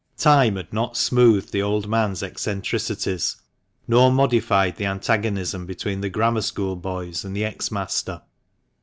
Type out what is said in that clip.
Time had not smoothed the old man's eccentricities, nor modified the antagonism between the Grammar School boys and the ex master.